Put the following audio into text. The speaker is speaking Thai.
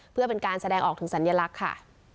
เพื่อเป็นการแสดงออกถึงสัญลักษณ์ค่ะ